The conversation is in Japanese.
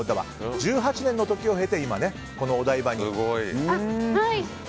１８年の時を経てこのお台場に。